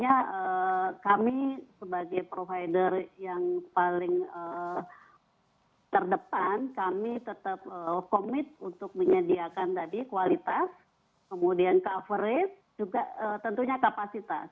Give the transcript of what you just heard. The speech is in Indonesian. ya kami sebagai provider yang paling terdepan kami tetap komit untuk menyediakan tadi kualitas kemudian coverage juga tentunya kapasitas